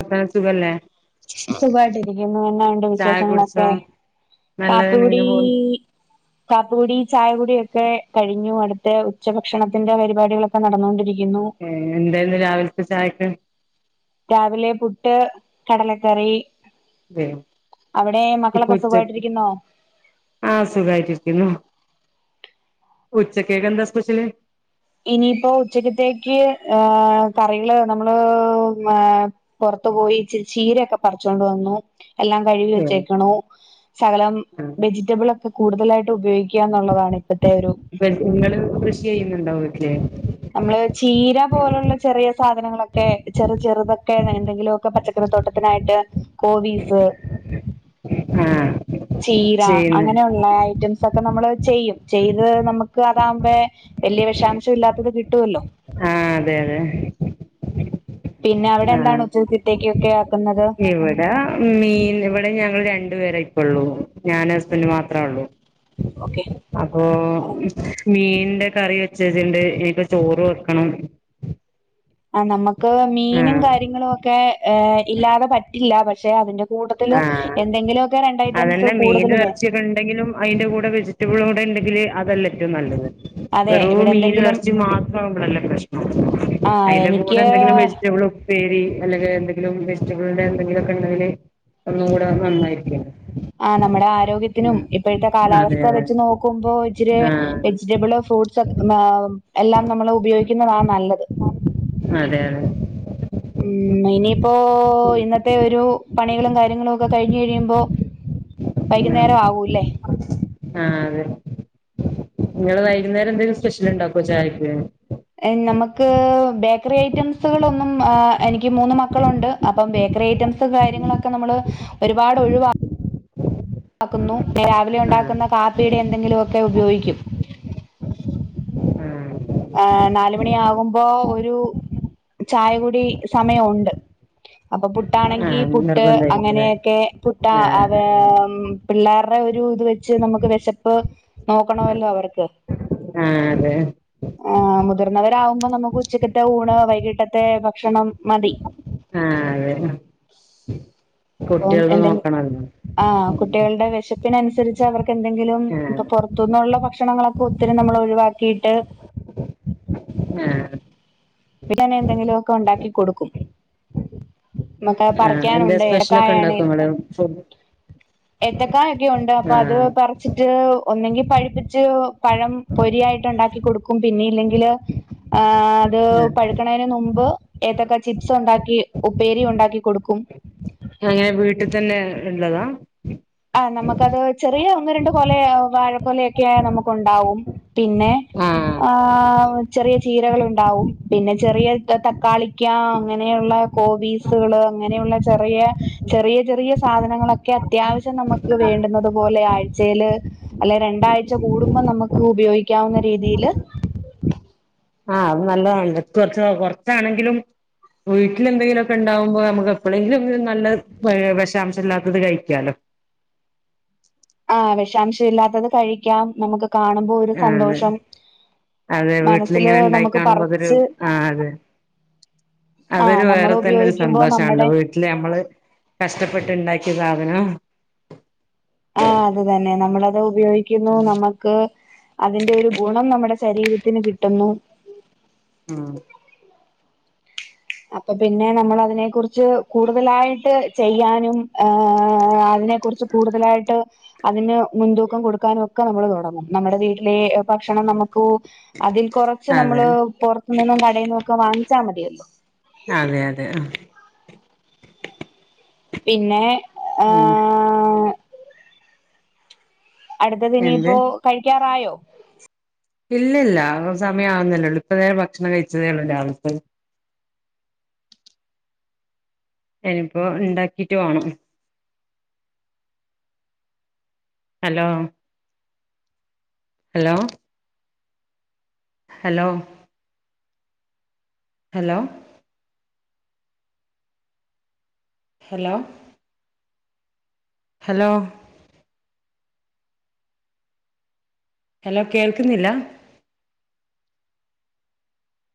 വർത്താനം സുഖല്ലേ സുഖമായിട്ടിരിക്കുന്നു എന്നാണ്ട് ചായ കുടിച്ചോ വിശേഷങ്ങളൊക്കെ? നല്ലതന്നെ കാപ്പികുടി ഇങ്ങനെ പോന്നു കാപ്പികുടി ചായകുടിയൊക്കെ കഴിഞ്ഞു അടുത്ത ഉച്ചഭക്ഷണത്തിന്റെ പരിപാടികളൊക്കെ നടന്നുകൊണ്ടിരിക്കുന്നു. ഉം എന്തായിരുന്നു രാവിലത്തെ ചായക്ക്? രാവിലെ പുട്ട് കടലക്കറി വേ അവിടെ മക്കളൊക്കെ സുഖായിട്ടിരിക്കുന്നോ ആഹ് സുഖായിട്ടിരിക്കുന്നു ഉച്ചക്കേക്ക് എന്താ സ്പെഷ്യല് ഇനിയിപ്പോ ഉച്ചക്കത്തേക്ക് കറികള് നമ്മള് പൊറത്ത് പോയി ഇച്ചിരി ചീരയൊക്കെ പറിച്ചൊണ്ട് വന്നു എല്ലാം കഴുവി ഏ വെച്ചേക്കണു ശകലം ആ വെജിറ്റബിൾ ഒക്കെ കൂടുതലായിട്ട് ഉപയോഗിക് ക്കാംന്നുള്ളതാണ് ഇപ്പത്തെ ഒരു നിങ്ങള് കൃഷി ചെയ്യുന്നുണ്ടോ വീട്ടില് അമ്മള് ചീര പോലുള്ള ചെറിയ സാധനങ്ങളൊക്കെ ചെറു ചെറുതൊക്കെ എന്തെങ്കിലും പച്ചക്കറിത്തോട്ടത്തിനായിട്ട് കോവീസ് ആ ചീര ചെയ്യുന്നു അങ്ങനെള്ളായി ഐറ്റംസ് ഒക്കെ നമ്മള് ചെയ്യും ചെയ്ത് നമുക്ക് അതാകുമ്പ വലിയ വിഷാംശം ഇല്ലാത്തത് കിട്ടുമല്ലോ ആഹ് അതെ അതെ പിന്നെ അവിടെ ആ എന്താണ് ഉച്ചക്കത്തേക്കൊക്കെ ആക്കുന്നത് ദാ മീൻ ഇവിടെ ഞങ്ങൾ രണ്ടു പേരെ ഇപ്പ ഉള്ളൂ ഞാനും ഹസ്ബൻഡ് മാത്രേ ഉള്ളൂ ഓക്കെ അപ്പൊ പറഞ്ഞു. മീനിന്റെ കറി വെച്ചുവെച്ചിട്ടുണ്ട് ഇനീപ്പോ ചോറ് വെക്കണം ആഹ് നമുക്ക് ആ മീനും കാര്യങ്ങളും ഒക്കെ ഇല്ലാതെ പറ്റില്ല പക്ഷെ അതിന്റെ കൂട്ടത്തില് ആ എന്തെങ്കിലുമൊക്കെ രണ്ട് ഐറ്റംസ് കൂടുതൽ വേ വെച്ചിട്ടുണ്ടെങ്കിലും അയിന്റെ കൂടെ വെജിറ്റബിളൂടെ ഉണ്ടെങ്കിൽ അതല്ലേറ്റവും നല്ലത് അതെ വെറും ഇവിടെ മീനും എന്തെങ്കിലും ഇറച്ചീം മാത്രാവുമ്പളല്ലേ പ്രശ്നം ആ അയിന്റെ കൂടെ എനിക്ക് എന്തെിലും വെജിറ്റബിളും ഉപ്പേരി അല്ലെങ്കിൽ എന്തെങ്കിലും വെജിറ്റബിളിന്റെ എന്തെങ്കിലുമൊക്കെ ഉണ്ടെങ്കിൽ ഒന്നും കൂടെ നന്നായിരിക്കും ഉം ആഹ് നമ്മുടെ ആരോഗ്യത്തിനും ഇപ്പോഴത്തെ അതെ കാലാവസ്ഥ അതെ വെച്ച് നോക്കുമ്പോ ഇച്ചിരി ആഹ് വെജ് ജിറ്റബിള് ഫ്രൂട്ട്സ് എല്ലാം നമ്മള് ഉപയോഗിക്കുന്നതാ നല്ലത് അതെ അതെ ഉം ഇനിയിപ്പോ ഇന്നത്തെ ഒരു പണികളും കാര്യങ്ങളും ഒക്കെ കഴിഞ്ഞു കഴിയുമ്പോ ആഹ് വൈകുന്നേരം ആവൂല്ലേ ആഹ് അതെ നിങ്ങള് വൈകുന്നേരം എന്തെങ്കിലും സ്പെഷ്യൽ ഉണ്ടാക്കോ ചായക്ക് നമ്മക്ക് ബേക്കറി ഐറ്റംസുകളൊന്നും എനിക്ക് മൂന്ന് മക്കളുണ്ട് അപ്പം ബേക്കറി ഐറ്റംസ് കാര്യങ്ങളൊക്കെ നമ്മള് ഒരുപാട് ഒഴിവാ ക്കുന്നു രാവിലെ ആഹ് ഉണ്ടാക്കുന്ന കാപ്പീടെ എന്തെങ്കിലും ഒക്കെ ഉപയോഗിക്കും ആഹ് ആ നാലുമണി ആകുമ്പോ ഒരു ചായകുടി സമയം ഒണ്ട് അപ്പൊ പുട്ടാണെങ്കി ആഹ് പുട്ട് നിർബന്ധമായിരിക്കും അല്ലേ അങ്ങനെയൊക്കെ പുട്ട അവ ആഹ് പിള്ളാരുടെ ഒരു ഇത് വെച്ച് നമുക്ക് വിശപ്പ് നോക്കണമല്ലോ അവർക്ക് ആഹ് അതെ ആഹ് മുതിർന്നവരാകുമ്പോ നമുക്ക് ഉച്ചക്കത്തെ ഊണ് വൈകിട്ടത്തെ ഭക്ഷണം മതി ആഹ് അതെ അപ്പം കുട്ടികളത് എന്തെ നോക്കണല്ലോ ആ കുട്ടികളുടെ വെശ പ്പിനനുസരിച്ച് അവർക്കെന്തെങ്കിലും ഇപ്പൊ ആഹ് പൊറത്തു നിന്നുള്ള ഭക്ഷണങ്ങളൊക്കെ ഒത്തിരി നമ്മൾ ഒഴിവാക്കിയിട്ട് ആഹ് പിന്നെ ഞാൻ എന്തെങ്കിലും ഒക്കെ ഉണ്ടാക്കി കൊടുക്കും നമുക്ക് അത് ആഹ് എന്താ പറിക്കാനുണ്ട് സ്പെഷ്യലൊക്കെ എടക്കായാണ് ഉണ്ടാക്കോ ഇങ്ങള് ഫുഡ് ഏത്തക്കായൊക്കെ ഉണ്ട് അപ്പൊ അത് ആഹ് പർ വച്ചിട്ട് ഒന്നെങ്കി പഴിപ്പിച്ച് പഴം പൊരിയായിട്ട് ഉണ്ടാക്കി കൊടുക്കും പിന്നെ ഇല്ലെങ്കില് ആഹ് അത് ആഹ് പഴുക്കണതിന് മുമ്പ് ഏതൊക്കെ ചിപ്സ് ഉണ്ടാക്കി ഉപ്പേരി ഉണ്ടാക്കി കൊടുക്കും അങ്ങനെ വീട്ടിൽ തന്നെ ഉള്ളതാ ആ നമുക്കത് ചെറിയ ഒന്ന് രണ്ട് കൊല വാഴക്കൊലൊക്കെ നമുക്ക് ഉണ്ടാവും പിന്നെ ആഹ് ആഹ് ചെറിയ ചീരകള ഉണ്ടാവും പിന്നെ ചെറിയ തക്കാളിക്ക അങ്ങനെയുള്ള കോബീസുകള് അങ്ങനെയുള്ള ചെറിയ ചെറിയ ചെറിയ സാധനങ്ങളൊക്കെ അത്യാവശ്യ ത്തിന് നമുക്ക് വേണ്ടുന്നത് പോലെ ആഴ്ചയില് അല്ലെ രണ്ടാഴ്ച കൂടുമ്പോം നമുക്ക് ഉപയോഗിക്കാവുന്ന രീതിയില് ആഹ് അത് നല്ലതാണ് കുറച്ച് കൊറച്ചാണെങ്കിലും വീട്ടിലെന്തെങ്കിലുമൊക്കെ ഉണ്ടാവുമ്പോ നമുക്ക് എപ്പോഴെങ്കിലും നല്ല വിഷാംശം ഇല്ലാത്തത് കഴിക്കാലോ ആഹ് വിഷാംശ ഇല്ലാത്തത് കഴിക്കാം നമുക്ക് കാണുമ്പോ ഒരു ആഹ് സന്തോഷം അതെ മനസ്സില് വീട്ടിലിങ്ങനെ ഉണ്ടായി നമുക്ക് കാണുമ്പോ അതൊരു പറിച്ച് ആഹ് അതെ അതൊരു ആഹ് നമ്മൾ വേറെ തന്നെ ഒരു ഉപയോഗിക്കുമ്പോ സന്തോഷമാണല്ലോ നമ്മുടെ വീട്ട ല് നമ്മള് കഷ്ടപ്പെട്ടുണ്ടാക്കിയ സാധനം ആഹ് അത് തന്നെ നമ്മളത് ഉപയോഗിക്കുന്നു ഉം നമ്മ ക്ക് അതിന്റെ ഒരു ഗുണം നമ്മുടെ ശരീരത്തിന് കിട്ടുന്നു ഉം അപ്പൊ പിന്നെ നമ്മള അതിനെ കുറിച്ച് കൂടുതലായിട്ട് ചെയ്യാനും അതിനെ കുറിച്ച് കൂടുതലായിട്ട് അതിന് മുൻതൂക്കം കൊടുക്കാനൊക്കെ നമ്മള് തുടങ്ങും നമ്മുടെ വീട്ടിലെ ഭക്ഷണം നമുക്ക് അതിൽ കൊറച്ച് അതെ നമ്മള് പുറത്തു നിന്നും കടയിൽ നിന്നൊക്കെ വാങ്ങിച്ചാൽ മതിയല്ലോ അതെ അതെ ആഹ് പിന്നെ ഉം ഏഹ് എന്ത് അടുത്തതിനിയിപ്പോ കഴിക്കാറായോ ഇല്ലല്ല സമയമാവുന്നില്ലേള്ളൂ ഇപ്പ തേ ഭക്ഷണം കഴിച്ചതേ ഉള്ളു രാവിലത്തെ എനിപ്പോ ഉണ്ടാക്കിട്ട് വേണം hello hello hello hello hello hello hello കേൾക്കുന്നില്ല